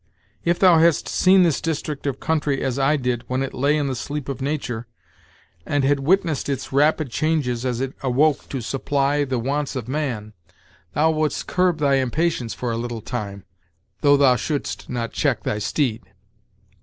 If thou hadst seen this district of country, as I did, when it lay in the sleep of nature, and had witnessed its rapid changes as it awoke to supply the wants of man, thou wouldst curb thy impatience for a little time, though thou shouldst not check thy steed."